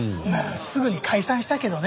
すぐに解散したけどね。